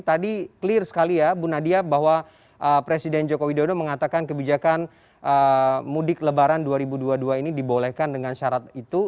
tadi clear sekali ya bu nadia bahwa presiden joko widodo mengatakan kebijakan mudik lebaran dua ribu dua puluh dua ini dibolehkan dengan syarat itu